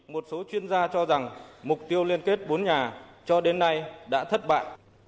một số chuyên gia cho rằng mục tiêu liên kết bốn nhà cho đến nay đã thất bại